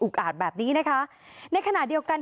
อาจแบบนี้นะคะในขณะเดียวกัน